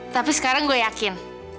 tapi sekarang gue yakin